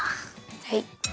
はい。